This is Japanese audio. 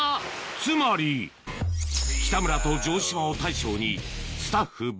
つまり北村と城島を大将にスタッフｖｓ